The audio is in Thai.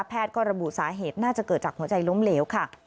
ก็ระบุสาเหตุน่าจะเกิดจากหัวใจล้มเหลวค่ะ